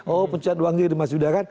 oh cucian uangnya di mas yuda kan